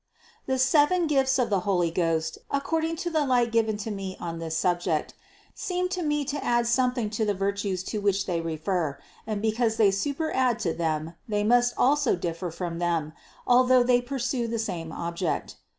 The seven gifts of the Holy Ghost, according to the light given to me on this subject, seem to me to add something to the virtues to which they refer ; and because they superadd to them, they must also differ from them, al though they pursue the same object.